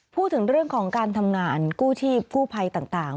พูดถึงเรื่องของการทำงานกู้ชีพกู้ภัยต่าง